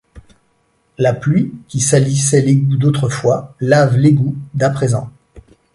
La pluie, qui salissait l’égout d’autrefois, lave l’égout d’à présent.